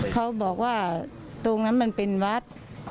เขาบอกว่าตรงนั้นมันเป็นวัด